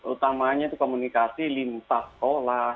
utamanya itu komunikasi lintas sekolah